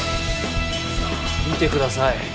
見てください